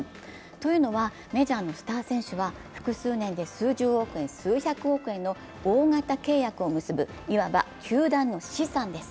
というのはメジャーのスター選手は複数年で数十億円数百億円の大型契約を結ぶ、いわば球団の資産です。